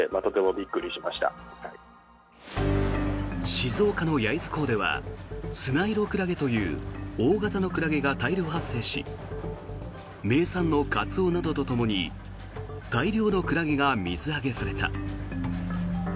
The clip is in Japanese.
静岡の焼津港ではスナイロクラゲという大型のクラゲが大量発生し名産のカツオなどとともに大量のクラゲが水揚げされた。